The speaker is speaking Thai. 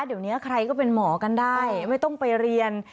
เดี๋ยวนี้ใครก็เป็นหมอกันได้ไม่ต้องไปเรียน